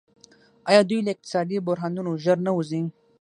آیا دوی له اقتصادي بحرانونو ژر نه وځي؟